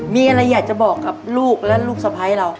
มีอะไรอยากจะบอกกับลูกและลูกสะพ้ายเรา